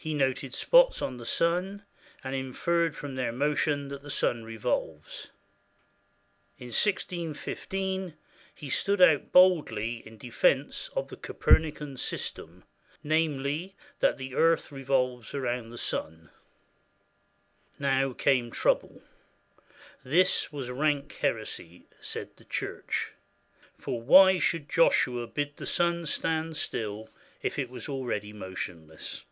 He noted spots on the sun, and inferred from their motion that the sun revolves. In 161 5 he stood out boldly in defense of the Copernican system, namely, that the earth revolves around the sun. Now came trouble. This was rank heresy, said the Church; for why should Joshua bid the sun stand still if it was already motionless?